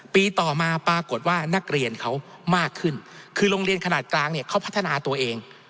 ปีต่อมาปรากฏว่านักเรียนเขามากขึ้นคือโรงเรียนขนาดกลางเนี่ยเขาพัฒนาตัวเอง